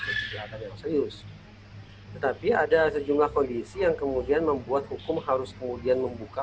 kejahatan yang serius tetapi ada sejumlah kondisi yang kemudian membuat hukum harus kemudian membuka